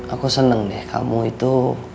aku senang deh kamu itu